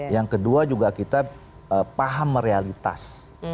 yang kedua juga kita paham realitas